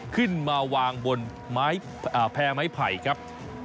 ขึ้นมาวางบนแพร่ไม้ไผ่ครับ